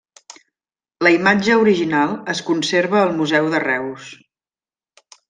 La imatge original es conserva al Museu de Reus.